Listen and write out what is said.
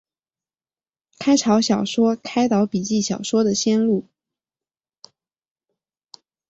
六朝小说开导笔记小说的先路。